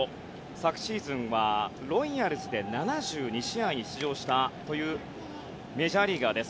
昨シーズンはロイヤルズで７２試合出場したというメジャーリーガーです。